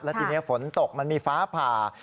ทีนี้ฝนตกมันมีฟ้าผ่า